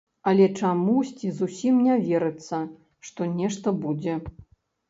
Але чамусьці зусім не верыцца, што нешта будзе.